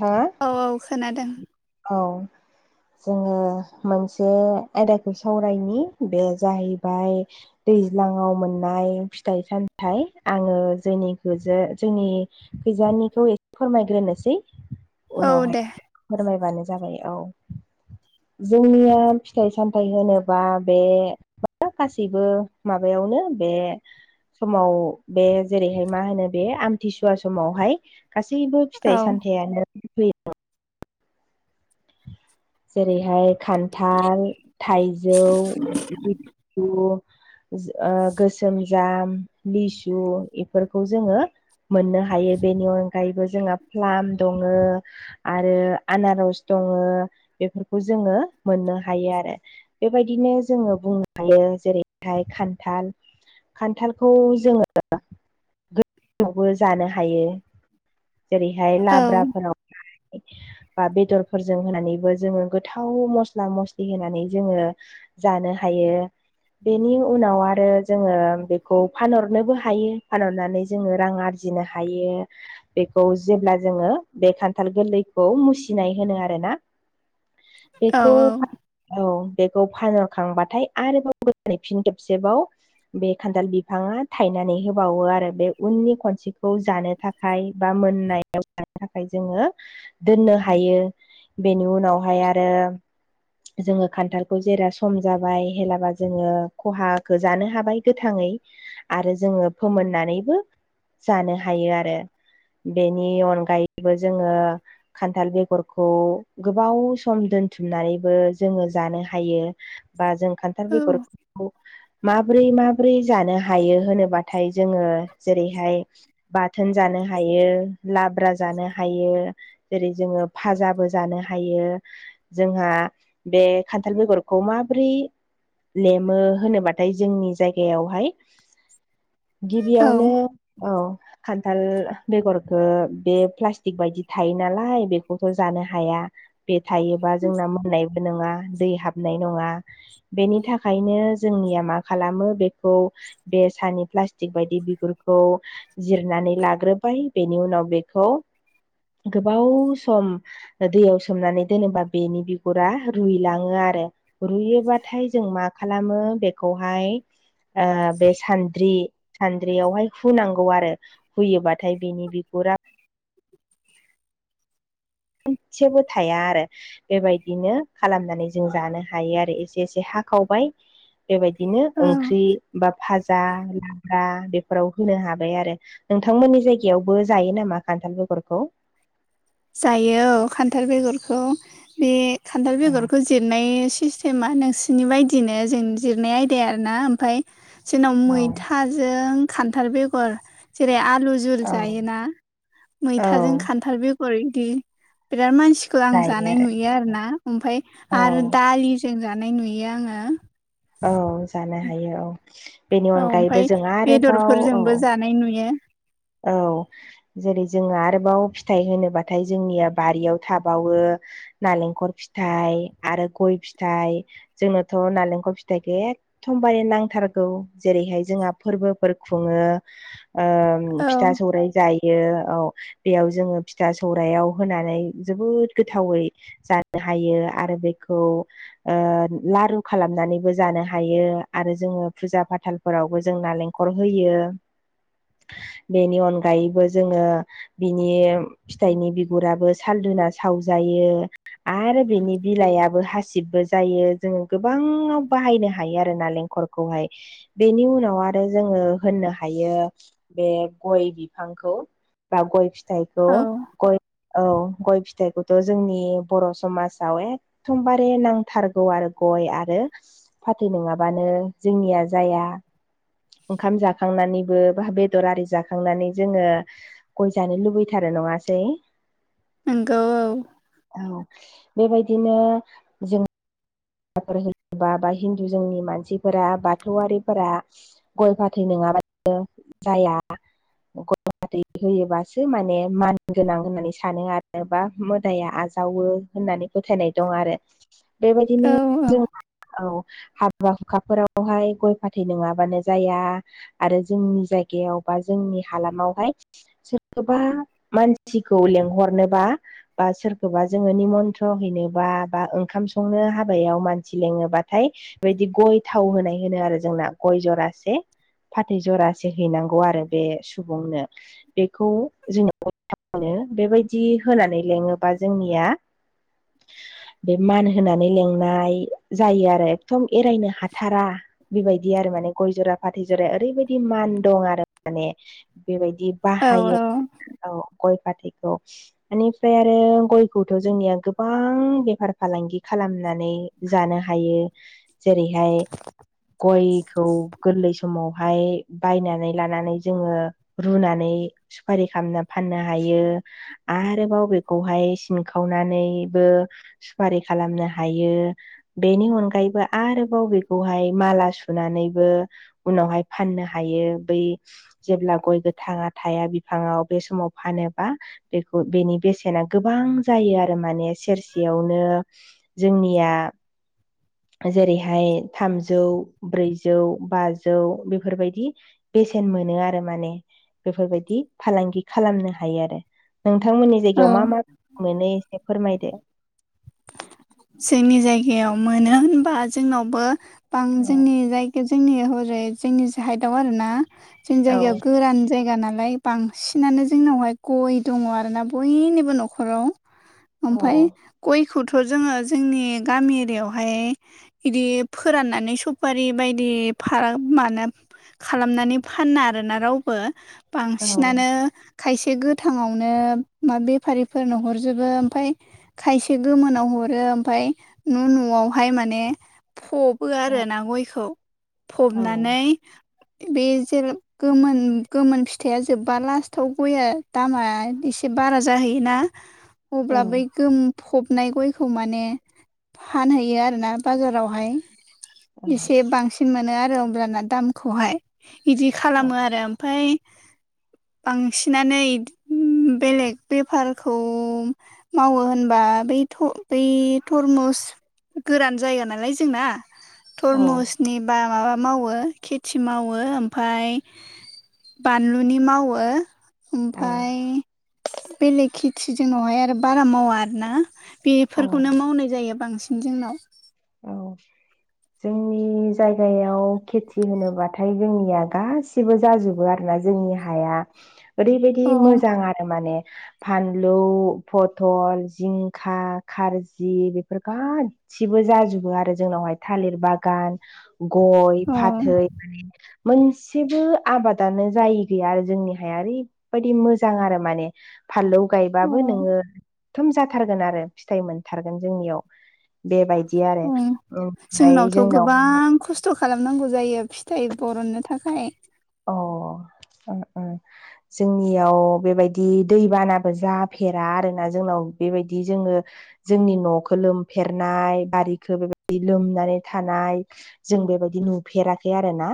हा औ-औ खोनादों औ जोङो मोनसे आयदाखौ सावरायनि बे जाहैबाय दैज्लाङाव मोननाय फिथाइ सामथाइ आङो जोंनिखौजो जोंनि खैजानिखौ एसे फोरमायग्रोनोसै औ दे उनावहाय फोरम मायबानो जाबाय औ जोंनिया फिथाइ सामथाइ होनोबा बे मा गासैबो माबायावनो बे समाव बे जेरैहाय मा होनो बे आमथिसुवा समावहाय गासैबो औ फिथाइ सामथायानो फै जेरैहाय खान्थाल थाइजौ लिसु ओ गोसोम जाम लिसु बेफोरखौ जोङो मोननो हायो बेनि अनगायैबो जोंहा फ्लाम दङ आरो आनारस दङ बेफोरखौ जोङो मोननो हायो आरो बेबायदिनो जोङो बुंनो हायो जेरैहाय खान्थाल खान्थालखौ जोङो [unintelligible] बो जानो हायो जेरैहाय औ लाब्राफोराव बा बेदरफोरजों होनानैबो जोङो गोथाव मस्ला मस्लि होनानै जोङो जानो हायो बेनि उनाव आरो जोङो बेखौ फानहरनोबो हायो फानहरनानै जोङो रां आरजि फुजिनो हायो। बेखौ जेब्ला जोङो बे खान्थाल गोरलैखौ मुसिनाय होनो आरोना औ बेखौ औ बेखौ फानहरखांबाथाय आरोबाव गोदानै फिन थोबसेबाव। बे खान्थाल बिफाङा थायनानै होबावो आरो बे उननि खनसेखौ जानो थाखाय। बा मोननायाव जानो थाखाय जोङो। दोननो हायो बेनि उनावहाय आरो। जोङो खान्थालखौ जेरा सम जाबाय हेलाबा जोङो खहाखौ जानो हाबाय गोथाङै। आरो जोङो फोमोननानैबो जानो हायो आरो। बेनि अनगायैबो जोङो खान्थाल बेगरखौ गोबाव सम दोनथुमनानैबो जोङो जानो हायो। बा जों खान्थाल औ बेगरखौ माब्रै माब्रै जानो हायो होनोबाथाय जोङो जेरैहाय बाथोन जानो हायो लाब्रा जानो हायो जेरै जोङो फाजाबो जानो हायो। जोंहा बे खान्थाल बेगरखौ माबोरै लेमो होनोबाथाय जोंनि जायगायावहाय औ गिबियावनो औ खान्थाल बेगरखौ बे प्लास्टिक बायदि थायो नालाय बेखौथ' जानो हाया। बे थायोबा जोंना मोननायबो नङा दै हाबनाय नङा। बेनि थाखायनो जोंनिया मा खालामो बेखौ बे सानि प्लास्टिक बायदि बिगुरखौ जिरनानै लाग्रो बेनि उनाव बेखौ गोबाव सम। दैयाव सोमनानै दोनोबा बेनि बिगुरा रुइलाङो आरो। रुयोबाथाय जों मा खालामो बेखौहाय ओ बे सानद्रि सानद्रियावहाय हुनांगौ आरो हुयोबा नाथाय बिनि बिगुरा मोनसेबो थाया आरो। बेबायदिनो खालामनानै जों जानो हायो आरो एसे एसे हाखावबाय। बेबायदिनो औ ओंख्रि बा फाजा लाब्रा बेफोराव होनो हाबाय आरो। नोंथांमोननि जायगायावबो जायो नामा खान्थाल बेगरखौ जायो औ खान्थाल बेगरखौ बे खान्थाल औ बेगरखौ जिरनाय सि समा नोंसिरनि बायदिनो जों जिरनाय आयदाया आरो ना ओमफ्राय जोंनाव औ मैथा जों खान्थाल बेगर जेरै आलु जझुल जायोना? मैथाजों खान्थाल बेगर इदि बिराद मानसि खौ आं जानाय नुयो आरो ना ओमफ्राय औ आरो दालिजों जानाय नुयो आङो। औ जानो हायो औ। बेनि औ ओमफ्राय अनगायैबो जों आरोबाव औ बेदरफोरजोंबो जानाय नुयो औ। जेरै जोङो आरोबाव फिथाइ होनोब्लाथाय जोंनिया बारियाव थाबावो। नारेंखल फिथाइ आरो गय फिथाइ जोंनोथ' नालेंखल फिथ फिथाइखौ एखथम बारे नांथारगौ जेरैहाय जोंहा फोरबोफोर खुङो। फिथा औ सौराय जाय बियो औ बेयाव जोङो फिथा सौरयाव होनानै जोबोद गोथावै। जानो हायो आरो बेखौ लारु खालामनानैबो जानो हायो आरो जोङो फुजा फाथालफोरावबो जों नालेंखर होयो। बेनि अनगायैबो जोङो। बिनि फिथाइनि बिगुराबो सालदुना सावजायो। आरो बिनि बिलाइाबो हासिबबो जायो जोङो गोबां बाहायनो हायो आरो नालेंखरखौहाय। बेनि उनाव आरो जोङो होननो हायो बे गय बिफांखौ बा गय फिथाइखौ औ गय औ गय फिथाइखौथ' जोंनि बर' समाजाव एक दमबारे नांथारगौ आरो गय आरो फाथै नङाबानो जोंनिया जाया। ओंखाम जाखांनानैबो बा बेदर आरि जाखांनानै जोङो गय जानो लुबैथारो नङासै। नंगौ औ। औ बेबायदिनो [unintelligible] बा हिन्दु जोंनि मानसिफोरा बाथौआरिफोरा गय फाथै नङाबानो जाया। गय फाथै होयोबासो माने मान गोनां होननानै सानो आरो बा मोदाइया आजा जावो होननानै फोथायनाय दं आरो। [inaudible] बेबायदिनो औ जों औ। हाबा-हुखाफोरावहाय गय फाथै नङाबानो जाया। आरो जोंनि जायगायाव बा जोंनि हालामावहाय सोरबा मानसिखौ लेंंहरनोबा बा सोरखौबा जोङो निमन्थ्र हैनोबा बा ओंखाम संनो हाब बायाव मानसि लिङोबाथाय बैबायदि गय थाव होनाय होनो आरो जोंना गय जरासे फाथै जरासे हैनांगौ आरो बे सुबुंनो। बेखौ जोङो [unintelligible] बेबायदि होनानै लेङोबा जोंनिया बे मान होनानै लें नाय जायो आरो एखदम एरायनो हाथारा। बेबायदि आरो माने गय जरा फाथै जरा ओरैबायदि मान दं आरो माने बेबायदि बिदि औ बाहायो औ औ गय फाथैखौ। बेनिफ्राय आरो गयखौथ' जोंनिया गोबां बेफार-फालांगि खालामनो नानै जानो हायो जेरैहाय गयखौ गोरलै समावहाय बायनानै लानानै जोङो रुनानै सुफारि खालामनो फाननो हायो। आरोबाव बेखौहाय सिनखावनानैबो सुपारि खालामनो हा हायो बेनि अनगायैबो आरोबाव बेखौहाय माला सुनानैबो उनावहाय फाननो हायो बै जेब्ला गय गोथाङा थाया बिफाङाव बे समाव फानोबा बेखौ बेनि बेसेना गोबां जायो आरो माने सेरसेयावनो जोंनिया जेरैहाय थामजौ ब्रैजौ बाजौ बेफोर बायदि बेसेन मोनो आरो माने बेफोर बायदि फालांगि खालामनो हायो आरो। नोंथांमोननि जायगायाव मा औ मा [inaudible] मोनो एसे फोरमायदो। जोंनि जायगायाव मोनो होनबा जोंनावबो बां औ जोंनि जायग जोंनि हरै जोंनि साइदाव आरो ना जोंनि औ जायगायाव गोरान जायगा नालाय बांसिनानो जोंनावहाय गय दङ' आरोना बयनिबो न'खराव। औ ओमफाय गयखौथ' जोङो जोंनि गामि एरियायावहाय बिदि फोराननानै सफारि बायदि फाराग मानो खालामनानै फाना आरोना रावबो औ बांसिनानो खायसे गोथाङावनो मा बेफारिफोरनो हरजोबो ओमफाय खायसे एसे गोमोनाव हरो ओमफकय न'- न'आवहाय माने फबो आरो ना गयखौ औ फबनानै बे जे गोमोन गोमोन फिथाइया जोब्बा लास्टाव गया दामा एसे बारा जाहैयोना औ अब्ला बै गोम फबनाय गयखौ माने फानहैयो आरोना बाजारावहाय। एसे बांसिन मोनो आरो होमब्लाना दामखौहाय बिदि खालामो आरो ओमफ्राय बांसिननानो बेलेग बेफारखौ मावो होन होनबा बै थ बै थरमुस गोरान जायगा नालाय जोंना थरमुसनि बा माबा मावो खेथि मावो ओमफ्राय बानलुनि मावो औ ओमफ्राय बेलेग खेथि जोंनावहाय आरो बारा मावा आरोना औ बेफोरखौनो मावनाय जायो बांसिन जोंनाव औ जोंनि जायगायाव खेथि होनोब्लाथाय जोंनिया गासैबो गसिबो जाजोबो आरोना जोंनि हाया ओरैबायदि अ मोजां आरो माने फानलु पथल जिंखा खारजि बेफोर गा सिबो जाजोबो आरो जोंनावहाय थालिर बागान गय अ फाथै माने मोनसेबो आबादानो जायि गैया आरो जोंनि हाया ओरैबायदि मोजां आरो माने फानलौ गायबाबो अ नोङो एथम जाथारगोन आरो फिथाइ मोनथारगोन जोंनियाव बेबायदि बि आरो अ ओमफ्राय जोंनावथ' जोंनावहाय गोबां खस्थ' खालामनांगौ जायो फिथाइ बरननो थाखाय अ ओ ओ जोंनियाव बेबायदि दैबानाबो जाफेरा आरोना जोंनाव बेबायदि जोङो जोंनि न'खौ लोमफेरनाय बारिखौ बेबायदि लोमनानै थानाय जों बेबायदि नुफेराखै आरो ना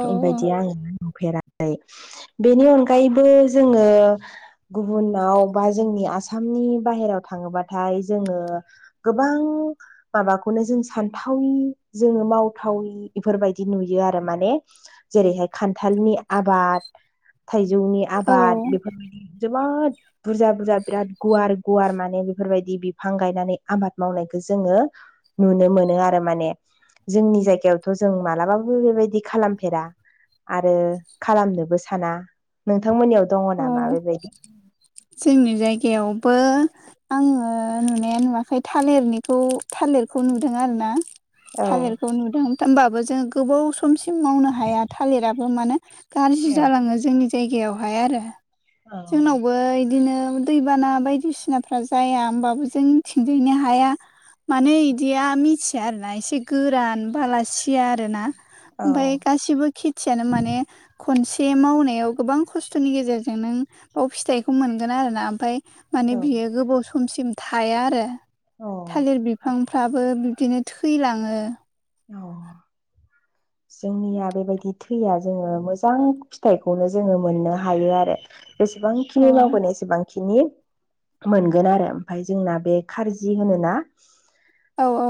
औ बेबायदि आङो नुफेराखै बेनि अनगायैबो जोङो गुबुनाव बा जोंनि आसामनि बाहेराव थाङोबाथाय जोङो गोबां माबाखौनो जों सानथावि जोङो मावथावि बेफोरबायदि नुयो आरो माने जेरैहाय खान्थालनि आबाद थाइजौनि औ आबाद बेफोरबायदि जोबोद बुरजा बुरजा बिराद गुवार गुवार माने बेफोरबायदि बिफां गायनानै आबाद मावनायखौ जोङो नुनो मोनो आरो माने जोंनि जायगायावथ' जों मालाबाबो बेबायदि खालाम होफेरा आरो खालामनोबो साना नोंथांमोननियाव दङ औ नामा बेबायदि जोंनि जायगायावबो आङो नुनाया नुवाखै थालिरनिखौ थालिरखौ नुदों आरो ना औ थालिरखौ नुदों होमबाबो जों गोबाव समसिम मावनो हाया थालिराबो मानो गाज्रि औ जालाङो जोंनि जायगायावहाय आरो जोंनावबो बिदिनो दैबाना बायदिसिनाफ्रा जाया होमबाबो जों थिंजायनि हाया माने बिदिया मिथिया आरोना एसे गोरान बालासिया आरोना औ ओमफ्राय गासिबो खेथियानो माने खनसे मावनायाव गोबां खस्थ'नि गेजेरजों जों नों बाव फिथाइखौ मोनगोन आरोना ओमफ्राय माने औ बियो गोबाव समसिम थाया आरो औ थालिर बिफांफ्राबो बिबदिनो थैलाङो औ जोंनिया बेबायदि थैया जोङो मोजां फिथाइखौनो जोङो मोननो हायो आरो औ जसेबांखिनि मावगोन एसेबां खिनि मोनगोन आरो ओमफ्राय जोंना बे खारजि होनोना औ औ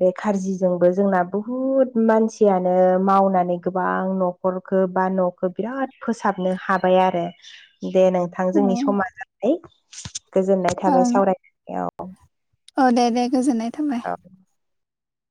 बे खारजि जोंबो जोंना बुहुत मानसियानो मावनानै गोबां न'खरखौ बा खौ बिराद फोसाबनो हाबाय आरो दे नोंथां जोंनि औ समा जाबाय गोजोननाय ओं थाबाय सावरायनायाव औ दे दे गोजोननाय थाबाय [unintelligible]